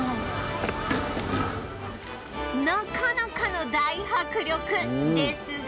なかなかの大迫力ですが